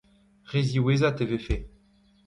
re ziwezhat e vefe